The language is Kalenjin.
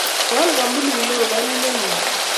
koal Kampunit noo karit ne lel